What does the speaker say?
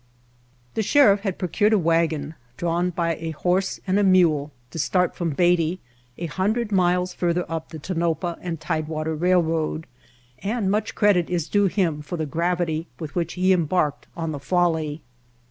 The Sherifif had procured a wagon drawn by a horse and a mule to start from Beatty, a hundred miles further up the Tonopah and Tidewater Railroad, and much credit is due him for the gravity with which he embarked on the folly.